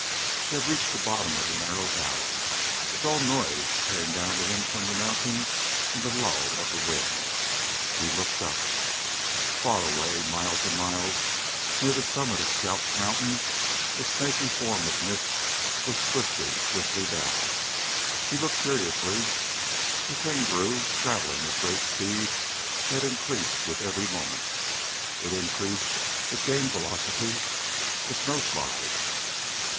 He had reached the bottom of the narrow valley. A dull noise came down to him from the mountain in the lull of the wind. He looked up. Far away, miles and miles, near the summit of Scalped Mountain, a snaky form of mist was twisting swiftly down. He looked curiously. The thing grew, traveling with great speed that increased with every moment. It increased it gained velocity a snowslide!